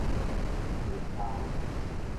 胃豆